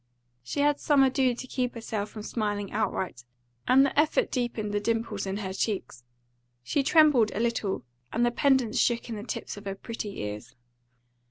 She had some ado to keep herself from smiling outright, and the effort deepened the dimples in her cheeks; she trembled a little, and the pendants shook in the tips of her pretty ears.